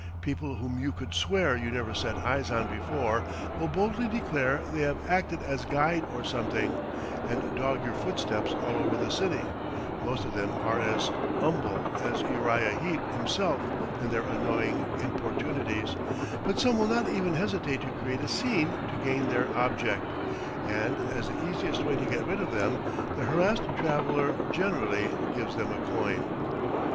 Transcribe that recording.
People whom you could swear you never set eyes on before will boldly declare they have acted as guide or something, and dog your footsteps all over the city; most of them are as "umble" as Uriah Heep himself in their annoying importunities, but some will not even hesitate to create a scene to gain their object, and, as the easiest way to get rid of them, the harassed traveller generally gives them a coin.